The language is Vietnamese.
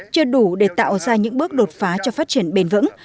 chưa đủ để tạo ra những bước đột phá cho phát triển bền vững